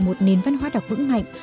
một nền văn hóa đọc vững mạnh